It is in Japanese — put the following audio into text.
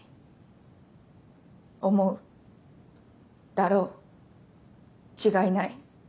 「だろう」「違いない」。